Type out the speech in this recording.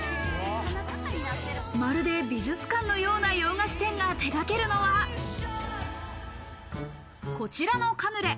まるで美術館のような洋菓子店が手がけるのは、こちらのカヌレ。